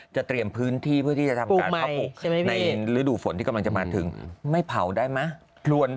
จะเตรียมพื้นที่เพื่อจะทำการบุค